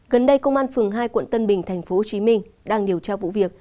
gần đây công an phường hai quận tân bình tp hcm đang điều tra vụ việc